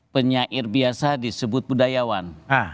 penyair biasa disebut budayawan